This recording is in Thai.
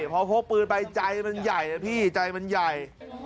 พอพกปืนไปใจมันใหญ่นะพี่ใจมันใหญ่